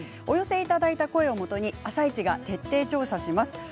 お寄せいただいた声をもとに「あさイチ」が徹底調査します。